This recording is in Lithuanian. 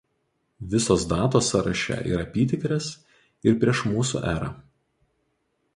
Visos datos sąraše yra apytikrės ir prieš mūsų erą.